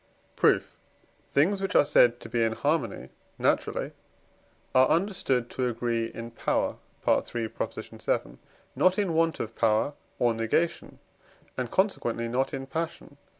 Proof. Things, which are said to be in harmony naturally, are understood to agree in power (III. vii.), not in want of power or negation, and consequently not in passion (III.